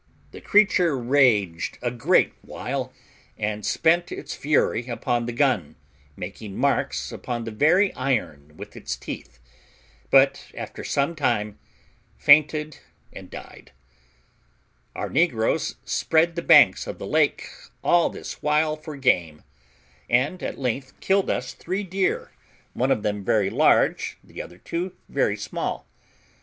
The creature raged a great while, and spent its fury upon the gun, making marks upon the very iron with its teeth, but after some time fainted and died. Our negroes spread the banks of the lake all this while for game, and at length killed us three deer, one of them very large, the other two very small.